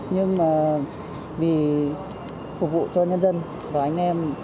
nhưng mà vì phục vụ cho nhân dân và anh em